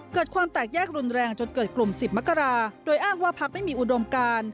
เกิดความแตกแยกรุนแรงจนเกิดกลุ่ม๑๐มกราโดยอ้างว่าพักไม่มีอุดมการ